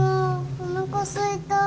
おなかすいた。